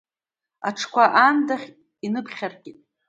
Аҽқәа аандахь иныԥхьаркит.